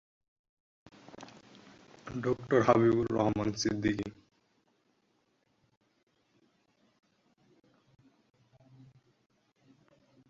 ড: হাবিবুর রহমান সিদ্দিকী।